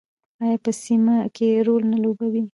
آیا په سیمه کې رول نه لوبوي؟